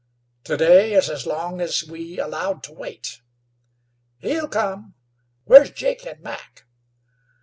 "To day is as long as we allowed to wait." "He'll come. Where's Jake and Mac?"